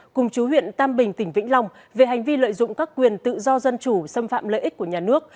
cùng chú huyện tam bình tỉnh vĩnh long về hành vi lợi dụng các quyền tự do dân chủ xâm phạm lợi ích của nhà nước